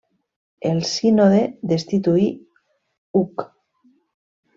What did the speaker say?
El sínode destituí Hug.